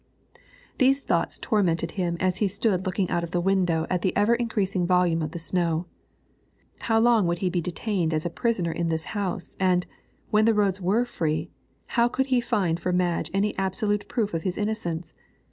These thoughts tormented him as he stood looking out of the window at the ever increasing volume of the snow. How long would he be detained a prisoner in this house, and, when the roads were free, how could he find for Madge any absolute proof of his innocence?